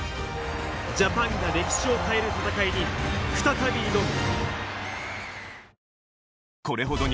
ジャパンが歴史を変える戦いに再び挑む。